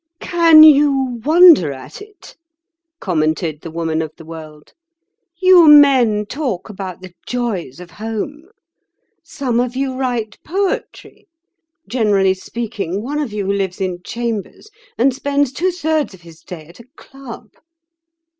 "Can you wonder at it?" commented the Woman of the World. "You men talk about 'the joys of home.' Some of you write poetry—generally speaking, one of you who lives in chambers, and spends two thirds of his day at a club."